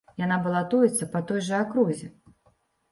Яна балатуецца па той жа акрузе.